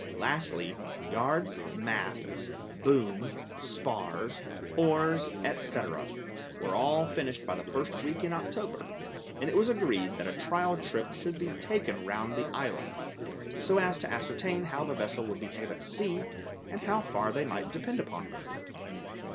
Lastly, yards, masts, boom, spars, oars, etc., were all finished by the first week in October, and it was agreed that a trial trip should be taken round the island, so as to ascertain how the vessel would behave at sea, and how far they might depend upon her.